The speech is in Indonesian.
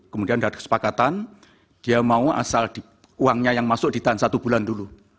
kemudian ada kesepakatan dia mau asal uangnya yang masuk ditahan satu bulan dulu